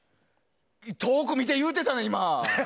遠く見て言うてたな、今。